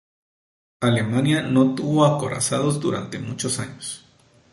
Alemania no tuvo acorazados durante muchos años.